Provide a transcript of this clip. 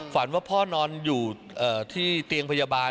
ฝันว่าพ่อนอนอยู่ที่เตียงพยาบาล